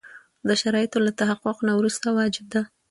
د شرایطو له تحقق نه وروسته واجب ده.